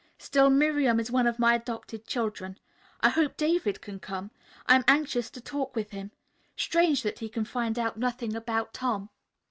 Still Miriam is one of my adopted children. I hope David can come. I am anxious to talk with him. Strange that he can find out nothing about Tom."